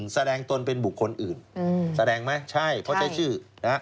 แสดงตนเป็นบุคคลอื่นแสดงไหมใช่เพราะใช้ชื่อนะฮะ